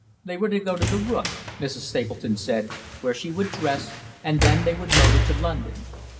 They were to go to 'The Rook,' Mrs. Stapleton said, where she would dress, and then they would motor to London.